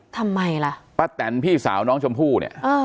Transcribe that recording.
ทำไมล่ะป้าแตนพี่สาวน้องชมพู่เนี่ย